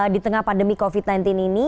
di tengah pandemi covid sembilan belas ini